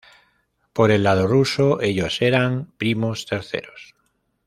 Por el lado ruso, ellos eran primos terceros.